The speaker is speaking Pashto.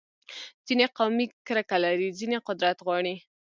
ځینې قومي کرکه لري، ځینې قدرت غواړي.